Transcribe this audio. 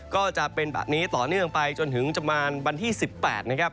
ก็จะเป็นแบบนี้ต่อเนื่องไปจนถึงประมาณวันที่๑๘นะครับ